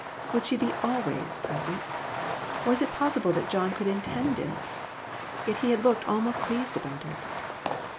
Would she be "always" pres ent? Was it possible that John could intend it? Yet he had looked almost pleased about it.